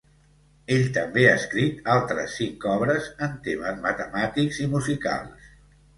Ell també ha escrit altres cinc obres, en temes matemàtics i musicals.